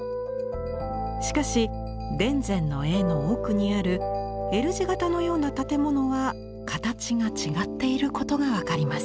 しかし田善の絵の奥にあるＬ字型のような建物は形が違っていることが分かります。